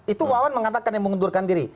itu wawan mengatakan yang mengundurkan diri